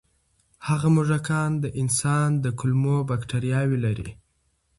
هغه موږکان د انسان د کولمو بکتریاوې لري.